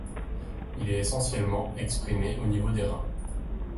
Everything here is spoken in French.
Il est essentiellement exprimé au niveau des reins.